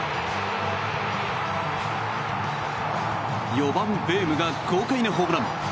４番、ベームが豪快なホームラン。